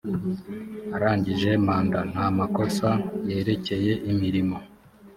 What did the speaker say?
arangije manda nta makosa yerekeye imirimo